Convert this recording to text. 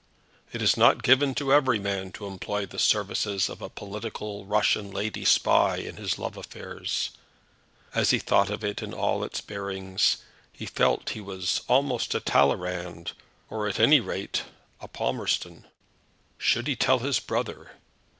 It is not given to every man to employ the services of a political Russian lady spy in his love affairs! As he thought of it in all its bearings, he felt that he was almost a Talleyrand, or, at any rate, a Palmerston. Should he tell his brother?